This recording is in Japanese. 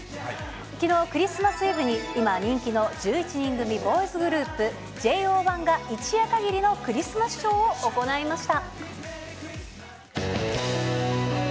きのう、クリスマスイブに今人気の１１人組ボーイズグループ、ＪＯ１が一夜限りのクリスマスショーを行いました。